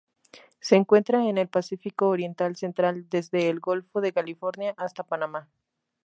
Se encuentra en el Pacífico oriental central: desde el Golfo de California hasta Panamá.